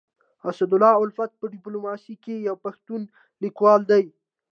اسدالله الفت په ډيپلوماسي کي يو پښتون ليکوال دی.